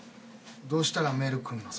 どうしたらメール来んの？